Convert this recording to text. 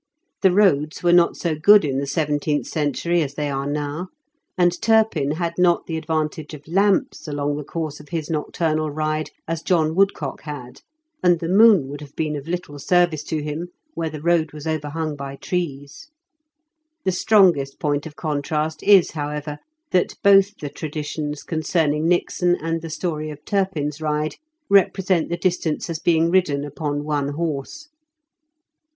The roads were not so good in the seventeenth century as they are now; and Turpin had not the advantage of lamps along the course of his nocturnal ride as John Woodcock had, and the moon would have been of little service to him where the road was overhung f S2 IN KENT WITH CHARLES DICKENS. by trees. The strongest point of contrast is, however, that both the traditions con cerning Nixon and the story of Turpin's ride represent the distance as being ridden upon one horse.